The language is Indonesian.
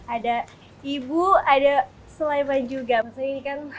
ada ibu ada sulaiman juga maksudnya ini kan